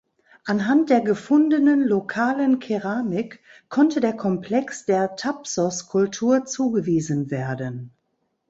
Anhand der gefundenen lokalen Keramik konnte der Komplex der Thapsos-Kultur zugewiesen werden.